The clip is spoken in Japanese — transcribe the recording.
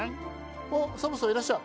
あサボさんいらっしゃい。